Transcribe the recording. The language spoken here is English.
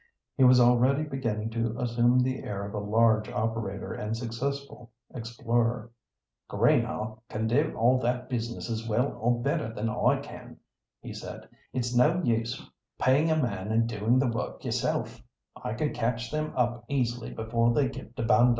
He was already beginning to assume the air of a large operator and successful explorer. "Greenhaugh can do all that business as well or better than I can," he said. "It's no use paying a man and doing the work yourself; I can catch them up easily before they get to Banda."